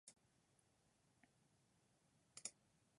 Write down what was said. たんすのかどに小指ぶつけた